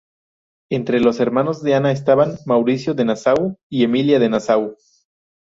Entre los hermanos de Ana estaban Mauricio de Nassau y Emilia de Nassau.